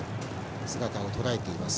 姿を捉えています。